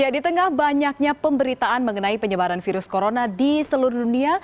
di tengah banyaknya pemberitaan mengenai penyebaran virus corona di seluruh dunia